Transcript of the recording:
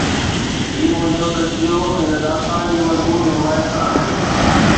هي منهنجو تجزيو هن داستان جي مضبوط حمايت سان آهي